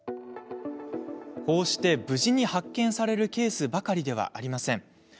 こうして無事に発見されるケースばかりではありません。